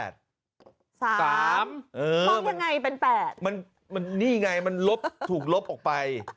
มองยังไงเป็น๘มันนี่ไงมันลบถูกลบออกไป